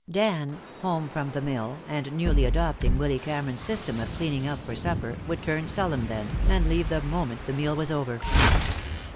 Dan, home from the mill and newly adopting Willy Cameron's system of cleaning up for supper, would turn sullen then, and leave the moment the meal was over.